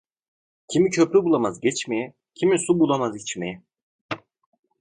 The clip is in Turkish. Kimi köprü bulamaz geçmeye, kimi su bulamaz içmeye.